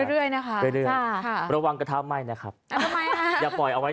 เรื่อยนะคะเรื่อยระวังกระทะไหม้นะครับอย่าปล่อยเอาไว้